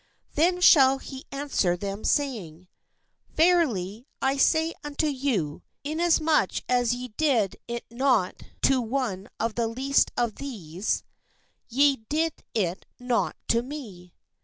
Then shall he answer them, saying: 'Verily I say unto you, Inasmuch as ye did it not THE SHEEP AND THE GOATS to one of the least of these, ye did it not to me.